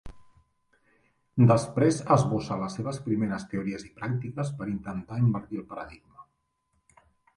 Després esbossa les seves primeres teories i pràctiques per intentar invertir el paradigma.